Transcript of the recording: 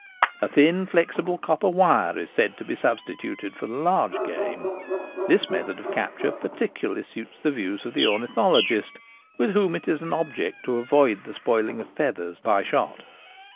A thin flexible copper wire is said to be substituted for large game. This method of capture peculiarly suits the views of the ornithologist, with whom it is an object to avoid the spoiling of feathers by shot.